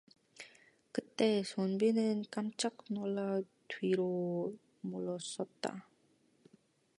그때 선비는 깜짝 놀라 뒤로 물러섰다.